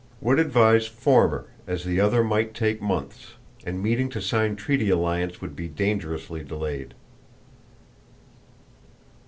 Would advise former, as the other might take months, and meeting to sign treaty alliance would be dangerously delayed."